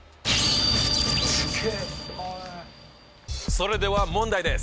それでは問題です。